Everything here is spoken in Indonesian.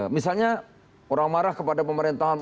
misalnya orang marah kepada pemerintahan